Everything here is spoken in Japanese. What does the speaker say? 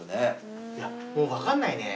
もう分かんないね。